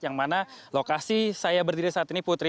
yang mana lokasi saya berdiri saat ini putri